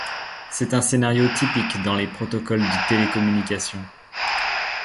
C'est un scenario typique dans les protocoles de télécommunications.